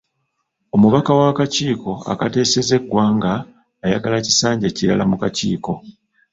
Omubaka w'akakiiko akateeseza eggwanga ayagala kisanja kirala mu kakiiko.